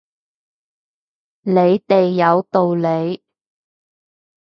你哋有道理